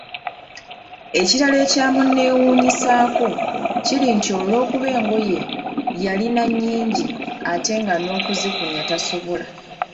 Ekirala ekyamunneewuunyisaako, kiri nti olwokuba engoye yalina nnyingi ate nga nokuzikunya tasobola